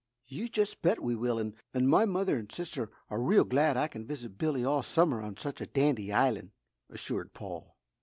"You just bet we will, an' my mother and sister are real glad I can visit Billy all summer on such a dandy island," assured Paul.